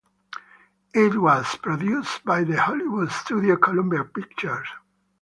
It was produced by the Hollywood studio Columbia Pictures.